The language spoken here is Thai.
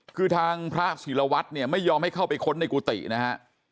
คือทางพระศิลวัตรเนี่ยไม่ยอมให้เข้าไปค้นในกุฏินะฮะ